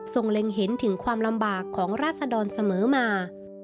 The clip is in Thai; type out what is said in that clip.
เล็งเห็นถึงความลำบากของราศดรเสมอมา